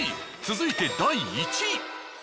続いて第１位。